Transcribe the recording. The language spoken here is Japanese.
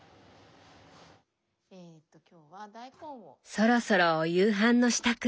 そろそろお夕飯の支度。